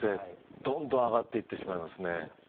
どんどん上がってしまいますね。